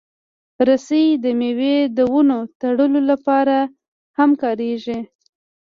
رسۍ د مېوې د ونو تړلو لپاره هم کارېږي.